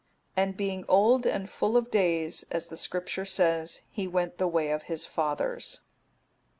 (281) And being old and full of days, as the Scripture says, he went the way of his fathers.